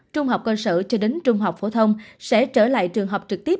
trung học cơ sở cho đến trung học phổ thông sẽ trở lại trường học trực tiếp